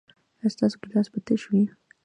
ایا ستاسو ګیلاس به تش وي؟